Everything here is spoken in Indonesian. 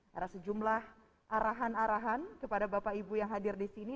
karena sejumlah arahan arahan kepada bapak ibu yang hadir disini